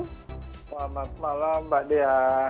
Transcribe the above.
selamat malam mbak dea